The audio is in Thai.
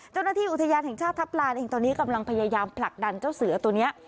เจ้าหน้าที่อุทยานแห่งชาติทัพลานเองตอนนี้กำลังพยายามผลักดันเจ้าเสือตัวนี้